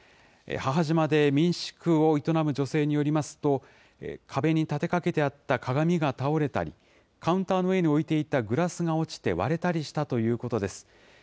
母島で民宿を営む女性によりますと、壁に立てかけてあった鏡が倒れたり、カウンターの上に置いていたグラスが落ちて割れたりしたということです。